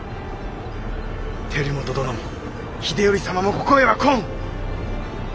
輝元殿も秀頼様もここへは来ん！